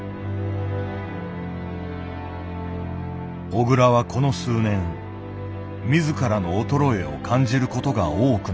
小倉はこの数年自らの衰えを感じることが多くなった。